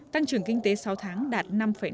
tăng trưởng kinh tế sáu tháng đạt năm năm mươi hai